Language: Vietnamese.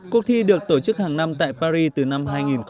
cuộc thi được tổ chức hàng năm tại paris từ năm hai nghìn một mươi